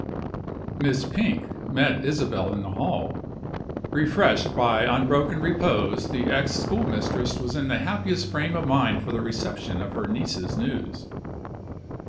Miss Pink met Isabel in the hall. Refreshed by unbroken repose, the ex schoolmistress was in the happiest frame of mind for the reception of her niece's news.